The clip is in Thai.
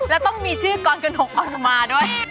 แล้วต้องมีชื่อกรกระหนกออกมาด้วย